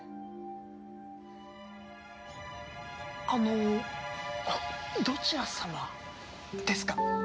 あのどちら様ですか？